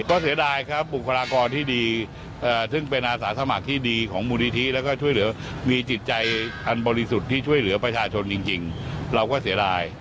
ก็เสียดายครับบุคลากรที่ดีซึ่งเป็นอาสาสมัครที่ดีของมูลนิธิแล้วก็ช่วยเหลือมีจิตใจอันบริสุทธิ์ที่ช่วยเหลือประชาชนจริงเราก็เสียดาย